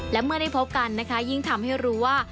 และเมื่อได้พบกันนะคะยิ่งทำให้รู้ว่า